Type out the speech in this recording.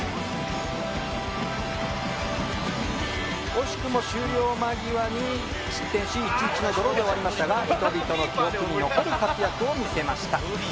惜しくも終了間際に失点し１−１のドローで終わりましたが人々の記憶に残る活躍を見せました。